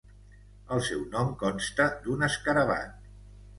El seu nom consta d'un escarabat.